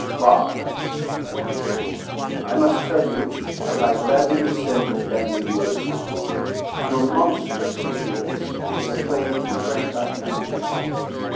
"Barber," replied the Duke, "I must tell you that I gladly descend to bandy words with you; your monstrous impudence is a claim to rank I cannot ignore.